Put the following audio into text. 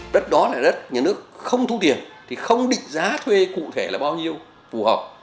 đất đó là đất nhà nước không thu tiền thì không định giá thuê cụ thể là bao nhiêu phù hợp